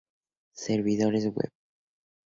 Servidores web